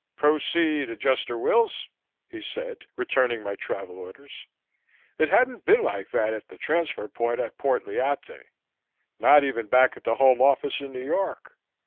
"Proceed, Adjuster Wills," he said, returning my travel orders. It hadn't been like that at the transfer point at Port Lyautey not even back at the Home Office in New York.